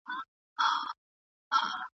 پر سر یې راوړل کشمیري د خیال شالونه